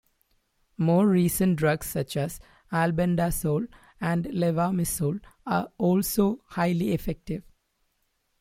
More recent drugs such as albendazole and levamisole are also highly effective.